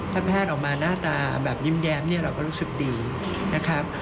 ถ้าแพทย์ออกมาหน้าตาแบบยิ้มแย้มเนี่ยเราก็รู้สึกดีนะครับ